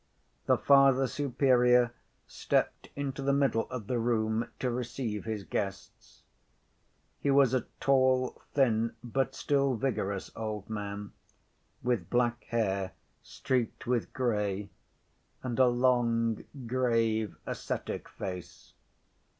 The Father Superior stepped into the middle of the room to receive his guests. He was a tall, thin, but still vigorous old man, with black hair streaked with gray, and a long, grave, ascetic face.